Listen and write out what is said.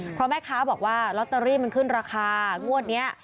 เพราะแม่ค้าบอกว่าลอตเตอรี่มันขึ้นราคางวดนี้